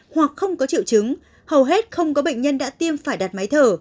hoặc không có triệu chứng hầu hết không có bệnh nhân đã tiêm phải đặt máy thở